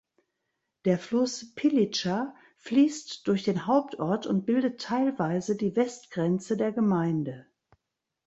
Der Fluss Pilica fließt durch den Hauptort und bildet teilweise die Westgrenze der Gemeinde.